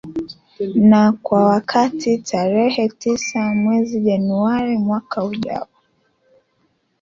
na kwa wakati tarehe tisa mwezi januari mwaka ujao